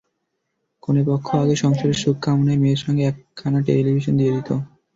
কনেপক্ষও আগে সংসারের সুখ কামনায় মেয়ের সঙ্গে একখানা টেলিভিশন দিয়ে দিত।